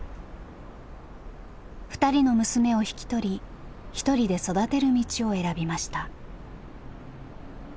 ２人の娘を引き取り１人で育てる道を選びました。